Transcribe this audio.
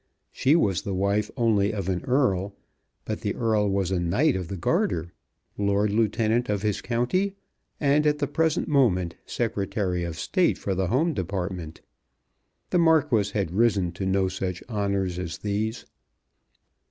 She was the wife only of an Earl; but the Earl was a Knight of the Garter, Lord Lieutenant of his County, and at the present moment Secretary of State for the Home Department. The Marquis had risen to no such honours as these.